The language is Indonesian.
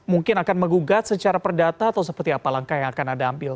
mungkin akan menggugat secara perdata atau seperti apa langkah yang akan anda ambil